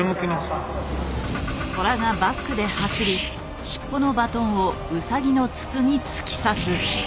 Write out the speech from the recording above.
トラがバックで走り尻尾のバトンをウサギの筒に突き刺すバトンパス。